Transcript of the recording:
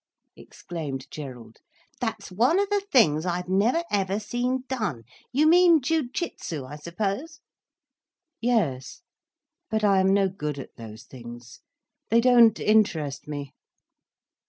exclaimed Gerald. "That's one of the things I've never ever seen done. You mean jiu jitsu, I suppose?" "Yes. But I am no good at those things—they don't interest me."